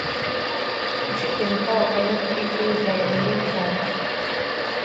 A chief in power cannot be killed by a militant.